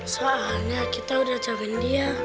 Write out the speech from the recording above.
soalnya kita udah jawabin dia